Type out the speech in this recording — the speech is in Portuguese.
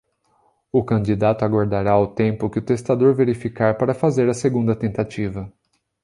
O candidato aguardará o tempo que o testador verificar para fazer a segunda tentativa.